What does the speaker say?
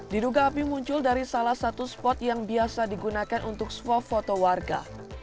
diduga api muncul dari salah satu spot yang biasa digunakan untuk swap foto warga